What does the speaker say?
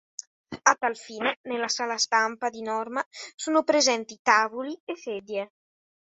A tal fine, nella sala stampa di norma sono presenti tavoli e sedie.